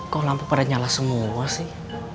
kok lampu pada nyala semua sih